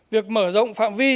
việc mở rộng phạm vi